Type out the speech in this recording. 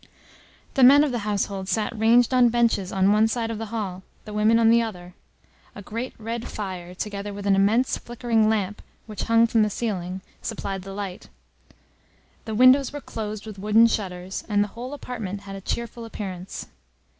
The men of the household sat ranged on benches on one side of the hall, the women on the other; a great red fire, together with an immense flickering lamp which hung from the ceiling, supplied the light; the windows were closed with wooden shutters, and the whole apartment had a cheerful appearance.